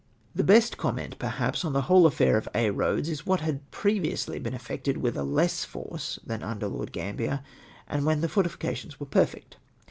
The best comiiieiit, })er]iaps, on the whole a flair of Aix Roads is what had })reviously l)eeii effected Avitli a less force than that uiieler Lord Clambier, and when the fortifications were perfect.